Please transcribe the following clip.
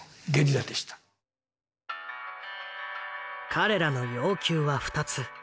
彼らの要求は２つ。